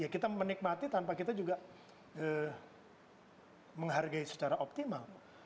kita menikmati tanpa kita juga menghargai secara optimal